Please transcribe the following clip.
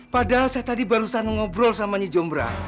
padahal saya tadi barusan ngobrol sama nyijomberan